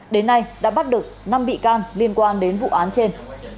đến nay đã bắt được năm bị can liên quan đến vụ án trên